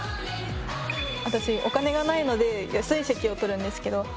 私お金がないので安い席を取るんですけど。